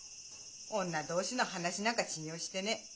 女同士の話なんか信用してねえ。